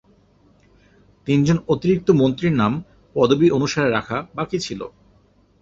তিনজন অতিরিক্ত মন্ত্রীর নাম পদবী অনুসারে রাখা বাকি ছিল।